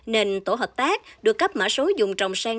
nên tổ hợp tác được cấp mã số dùng trồng sen